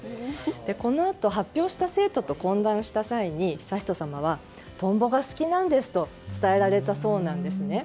このあと発表した生徒と懇談した際に悠仁さまはトンボが好きなんですと伝えられたそうなんですね。